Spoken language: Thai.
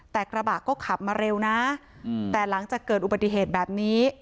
แต่กระบะก็ขับมาเร็วนะแต่หลังจากเกิดอุบัติเหตุแบบนี้